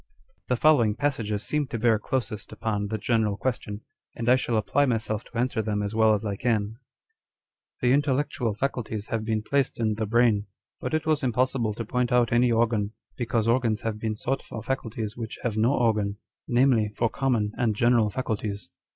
The following passages seem to bear closest upon the general question, and I shall apply myself to answer them as well as I can. "The intellectual faculties have been placed in the brain ; but it was impossible to point out any organ, because organs have been sought for faculties which have 1 Page 227. 2 Page 230. On Dr. Sjpurzheim's Theory. 209 no organ, namely, for common and general faculties